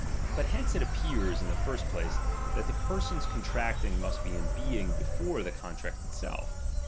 But toTo mm''''^'' h^'1'^6 it appears, in the first place, that the persons contracting must be in being before the contract itself.